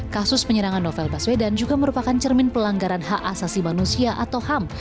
kasus penyerangan novel baswedan juga merupakan cermin pelanggaran hak asasi manusia atau ham